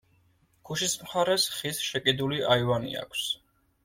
ქუჩის მხარეს ხის შეკიდული აივანი აქვს.